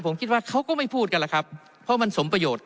ผมคิดว่าเขาก็ไม่พูดกันล่ะครับเพราะมันสมประโยชน์